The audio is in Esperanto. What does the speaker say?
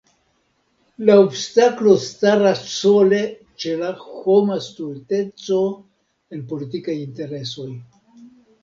La obstaklo staras sole ĉe la homa stulteco en politikaj interesoj.